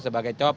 terima kasih pak